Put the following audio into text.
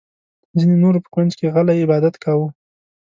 ځینې نورو په کونج کې غلی عبادت کاوه.